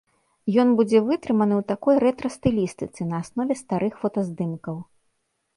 Ён будзе вытрыманы ў такой рэтра-стылістыцы, на аснове старых фотаздымкаў.